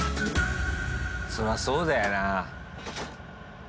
そらそうだよな。